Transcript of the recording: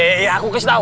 iya aku kasih tau